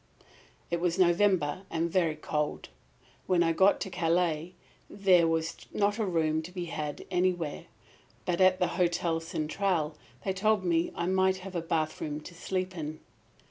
"It was November and very cold. When I got to Calais there was not a room to be had anywhere. But at the Hotel Centrale they told me I might have a bathroom to sleep in.